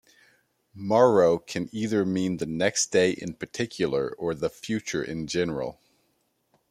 Morrow can either mean the next day in particular, or the future in general.